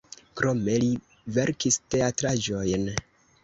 Krome li verkis teatraĵojn.